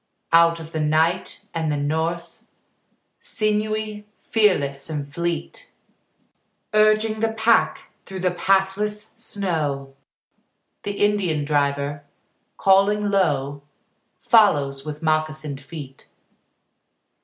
Out of the night and the north, Sinewy, fearless and fleet, Urging the pack through the pathless snow, The Indian driver, calling low, Follows with moccasined feet.